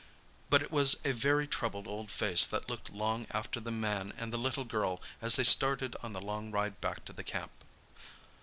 But it was a very troubled old face that looked long after the man and the little girl, as they started on the long ride back to the camp.